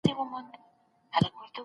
تاریخي کتابونه له افسانو څخه ډیر مهم دي.